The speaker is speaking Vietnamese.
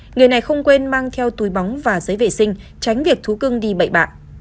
người này không quên mang theo túi bóng và giấy vệ sinh tránh việc thú cưng đi bậy bạ